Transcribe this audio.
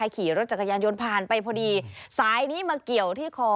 ขี่รถจักรยานยนต์ผ่านไปพอดีสายนี้มาเกี่ยวที่คอ